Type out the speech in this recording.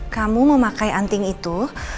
kamu mau pakai anting itu